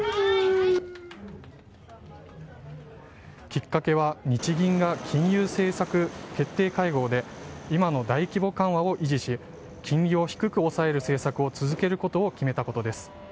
きっかけは日銀が金融政策決定会合で今の大規模緩和を維持し金利を低く抑える政策を続けることを決めたことです。